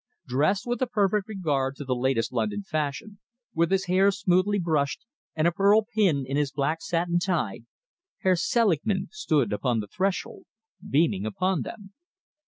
Dressed with a perfect regard to the latest London fashion, with his hair smoothly brushed and a pearl pin in his black satin tie, Herr Selingman stood upon the threshold, beaming upon them.